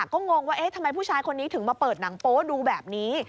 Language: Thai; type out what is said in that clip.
ก็งงว่าเอ๊ะทำไมผู้ชายคนนี้ถึงมาเปิดหนังโป๊ดูแบบนี้